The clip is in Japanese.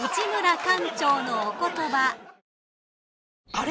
あれ？